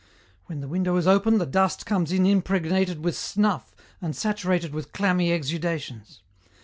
When the window is open the dust comes in impregnated with snuff and saturated with clammy exudations.